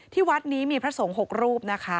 ที่วัดนี้มีพระสงฆ์๖รูป